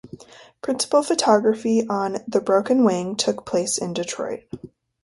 Principal photography on "The Broken Wing" took place in Detroit.